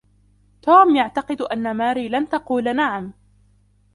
توم يعتقد أن ماري لن تقول نعم.